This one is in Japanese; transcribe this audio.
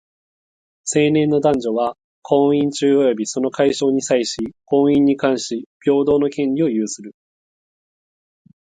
成年の男女は、婚姻中及びその解消に際し、婚姻に関し平等の権利を有する。